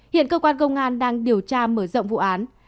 hiện công an tp hcm đang điều tra mở rộng vụ án